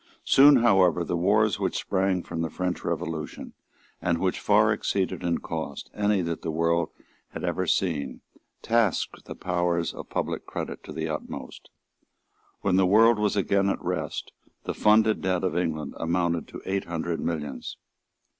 Soon however the wars which sprang from the French Revolution, and which far exceeded in cost any that the world had ever seen, tasked the powers of public credit to the utmost. When the world was again at rest the funded debt of England amounted to eight hundred millions.